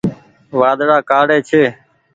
وآڌڙآ ڪآڙي ڇي۔